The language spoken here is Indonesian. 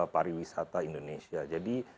pariwisata indonesia jadi